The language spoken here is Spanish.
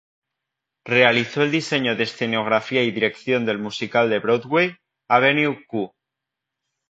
Realizó el diseño de escenografía y dirección del musical de Broadway "Avenue Q".